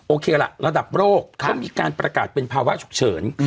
โอเคล่ะระดับโรคก็มีการประกาศเป็นภาวะฉุกเฉิน